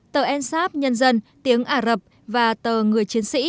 tờ ensaf nhân dân tiếng ả rập và tờ người chiến sĩ